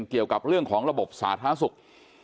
เกี่ยวกับเรื่องของระบบสาธารณสุข